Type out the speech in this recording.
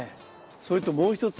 それともう一つ。